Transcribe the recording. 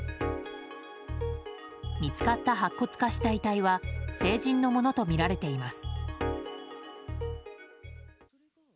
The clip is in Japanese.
見つかった白骨化した遺体は成人のものとみられています。